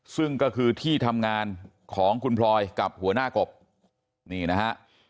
ซึ่งก็คือที่ทำงานของคุณพลอยกับหัวหน้ากบนี่นะฮะ